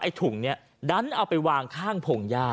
ไอ้ถุงนี้ดั๊นเอาไปวางข้างผงยา